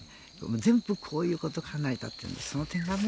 全部こういうことを考えたっていうその点はね